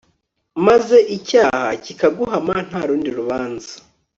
maze icyaha kikaguhama nta rundi rubanza